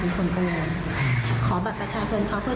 ทับในตลอด